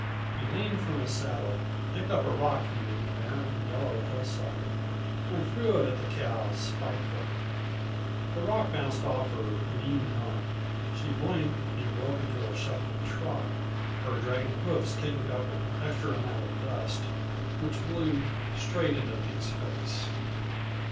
He leaned from his saddle, picked up a rock from the barren, yellow hillside, and threw it at the cow spitefully. The rock bounced off her lean rump; she blinked and broke into a shuffling trot, her dragging hoofs kicking up an extra amount of dust, which blew straight into Pink's face.